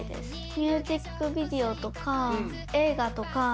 ミュージックビデオとか映画とか。